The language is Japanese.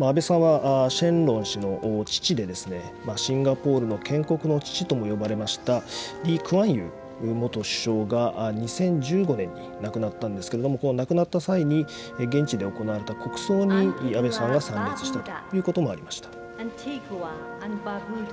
安倍さんはシェンロン氏の父で、シンガポールの建国の父とも呼ばれましたリー・クアンユー元首相が２０１５年に亡くなったんですけれども、この亡くなった際に、現地で行われた国葬に安倍さんがパナマ共和国。